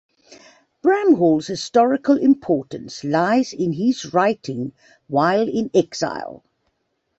Bramhall's historical importance lies in his writing while in exile.